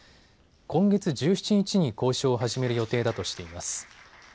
今月１７日に交渉を始める予定だとしています。